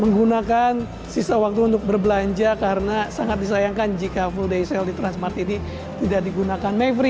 menggunakan sisa waktu untuk berbelanja karena sangat disayangkan jika full day sale di transmart ini tidak digunakan mayfrey